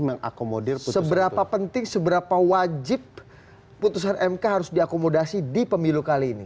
mengakomodir seberapa penting seberapa wajib putusan mk harus diakomodasi di pemilu kali ini